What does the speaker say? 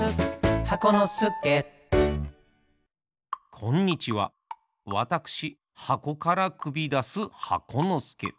こんにちはわたくしはこからくびだす箱のすけ。